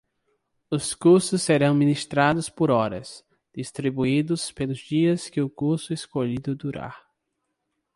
Os cursos serão ministrados por horas, distribuídos pelos dias que o curso escolhido durar.